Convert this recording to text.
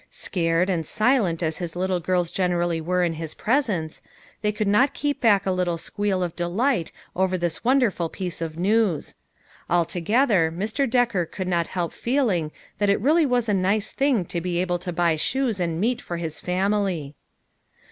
Scared and silent as his lit.tle girls generally were in his presence, they could not keep back a little squeal of delight over this wonderful piece of news. Altogether, Mr. Decker could not help feeling that it really was a nice thing to be able to buy shoes and meat for his family.